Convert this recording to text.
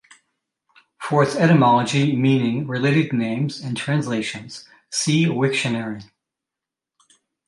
For its etymology, meaning, related names, and translations, see Wiktionary.